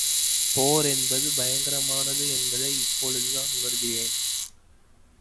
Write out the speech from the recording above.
போர் என்பது பயங்கரமானது என்பதை இப்பொழுதான் உணர்கிறேன்.